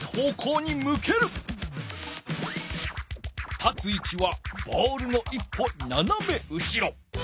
立つ位置はボールの一歩ななめ後ろ。